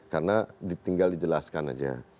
karena tinggal dijelaskan aja